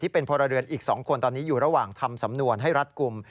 เป็นพลเรือนอีก๒คนตอนนี้อยู่ระหว่างทำสำนวนให้รัดกลุ่ม